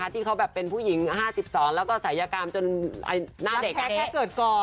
ที่เขาแบบเป็นผู้หญิง๕๒แล้วก็ศัยกรรมจนหน้าเด็กแท้เกิดก่อน